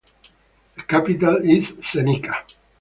The capital is Zenica.